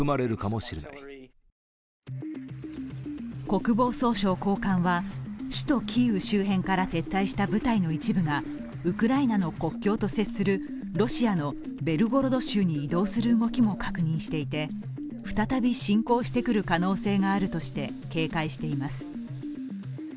国防総省高官は首都キーウ周辺から撤退した部隊の一部がウクライナの国境と接するロシアのベルゴロド州に移動する動きも確認していて再び侵攻してくる可能性があるとして、警戒しています。